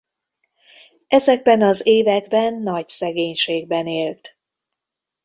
Ezekben az években nagy szegénységben élt.